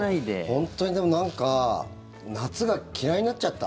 本当にでも、なんか夏が嫌いになっちゃった。